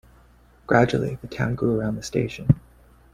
Gradually, the town grew around the station.